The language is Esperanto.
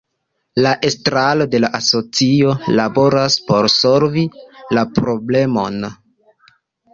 La estraro de la asocio laboras por solvi la problemon.